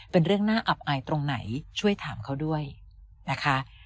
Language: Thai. เป็นเรื่องน่าอับอายตรงไหนช่วยถามเขาด้วยนะคะ